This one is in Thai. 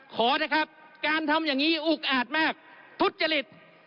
ขอนะครับการทำอย่างนี้อุกอาจมากทุจริต